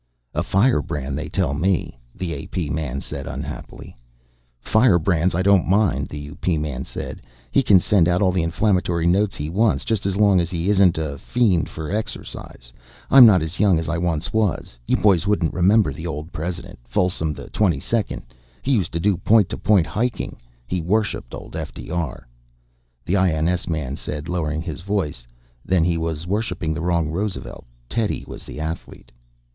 "A firebrand, they tell me," the A.P. man said unhappily. "Firebrands I don't mind," the U.P. man said. "He can send out all the inflammatory notes he wants just as long as he isn't a fiend for exercise. I'm not as young as I once was. You boys wouldn't remember the old President, Folsom XXII. He used to do point to point hiking. He worshipped old F.D.R." The I.N.S. man said, lowering his voice: "Then he was worshipping the wrong Roosevelt. Teddy was the athlete."